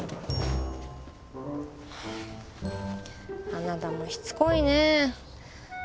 あなたもしつこいね。